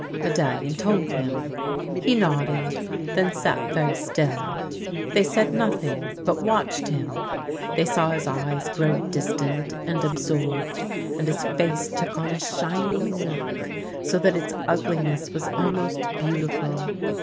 Medallion told him. Pie nodded, then sat very still. They said nothing, but watched him. They saw his eyes grow distant and absorbed, and his face took on a shining look, so that its ugliness vv^as almost beauti ful.